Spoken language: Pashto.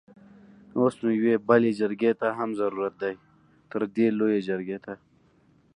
اوس نو يوې بلې جرګې ته هم ضرورت دی؛ تردې لويې جرګې ته!